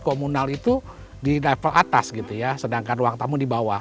komunal itu di level atas gitu ya sedangkan ruang tamu di bawah